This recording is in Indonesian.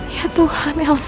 ya tuhan elsa